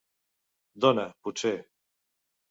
Dona, potser...